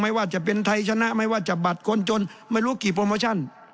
ไม่ว่าจะเป็นไทยชนะไม่ว่าจะบัตรคนจนไม่รู้กี่โปรโมชั่น